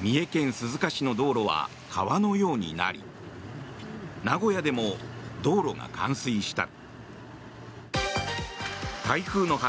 三重県鈴鹿市の道路は川のようになり名古屋でも道路が冠水した。